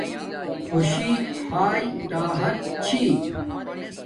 خوشی ہاݵ راحت چھی